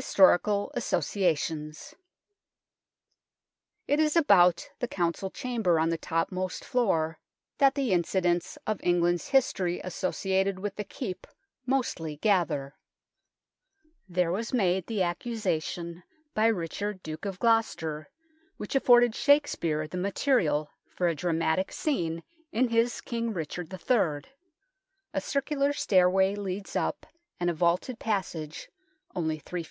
HISTORICAL ASSOCIATIONS It is about the Council Chamber on the topmost floor that the incidents of England's THE NORMAN KEEP 33 history associated with the Keep mostly gather. There was made the accusation by Richard Duke of Gloucester which afforded Shake speare the material for a dramatic scene in his King Richard III. A circular stairway leads up, and a vaulted passage, only 3 ft.